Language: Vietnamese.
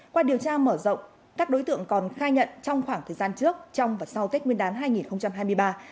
qua điều tra mở rộng các đối tượng còn khai nhận trong khoảng thời gian trước trong và sau tết nguyên đán hai nghìn hai mươi ba